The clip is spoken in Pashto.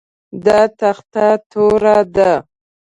دا تخته توره ده